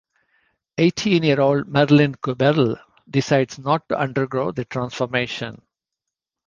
Eighteen-year-old Marilyn Cuberle decides not to undergo the Transformation.